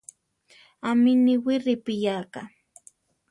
¿Ámi niwi ripiyáka?